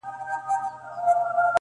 .!اوښکو را اخیستي جنازې وي د بګړیو.!